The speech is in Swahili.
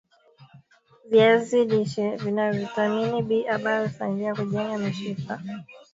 viazi lishe Vina vitamini B ambayo husaidia kujenga mishipa ya faham